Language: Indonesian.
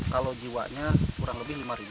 kalau jiwanya kurang lebih lima